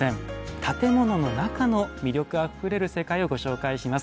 建物の中の魅力あふれる世界をご紹介します。